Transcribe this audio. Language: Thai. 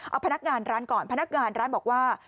เอาพนักงานร้านก่อนพนักงานร้านบอกว่า